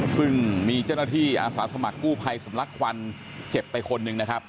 ซึ่งมีเจ้าหน้าที่อาสาสมัครกู้ภัยสำลักควันเจ็บไปคนหนึ่งนะครับ